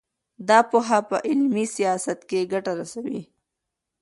دا پوهه په عملي سیاست کې ګټه رسوي.